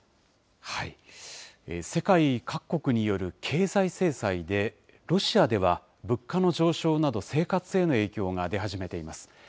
世界各国による経済制裁で、ロシアでは、物価の上昇など、生活への影響が出始めています。